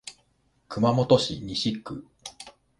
熊本市西区